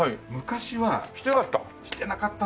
してなかった？